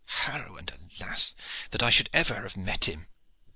Harrow and alas that ever I should have met him!"